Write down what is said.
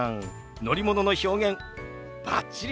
乗り物の表現バッチリですよ！